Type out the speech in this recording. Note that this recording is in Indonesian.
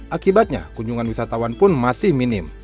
akibatnya kunjungan wisatawan pun masih minim